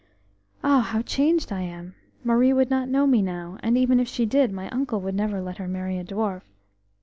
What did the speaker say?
Ah! how changed I am! Marie would not know me now, and even if she did my uncle would never let her marry a dwarf....